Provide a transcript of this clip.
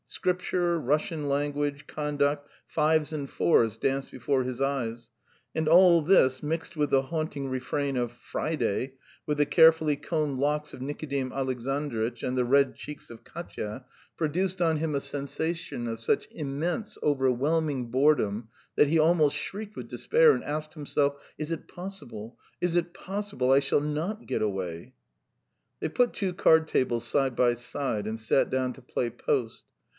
Scripture, Russian language, conduct, fives and fours, danced before his eyes, and all this, mixed with the haunting refrain of "Friday," with the carefully combed locks of Nikodim Alexandritch and the red cheeks of Katya, produced on him a sensation of such immense overwhelming boredom that he almost shrieked with despair and asked himself: "Is it possible, is it possible I shall not get away?" They put two card tables side by side and sat down to play post.